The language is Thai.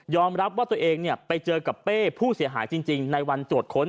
รับว่าตัวเองไปเจอกับเป้ผู้เสียหายจริงในวันตรวจค้น